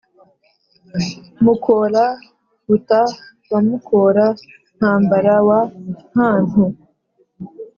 Mukora-buta wa Mukora-ntambara wa Ntantu,